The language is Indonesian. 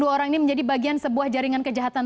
dua orang ini menjadi bagian sebuah jaringan kejahatan